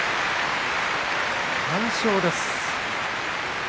完勝です。